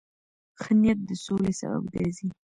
ښه نیت د سولې سبب ګرځي.